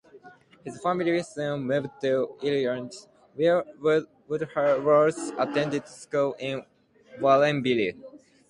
His family soon moved to Illinois, where Woodworth attended school in Warrenville.